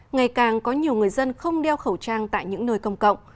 ngày càng có nhiều người dân không đeo khẩu trang tại những nơi công cộng